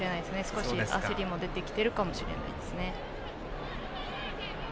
少し焦りも出ているかもしれないです。